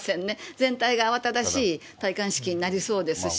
全体が慌ただしい戴冠式になりそうですし。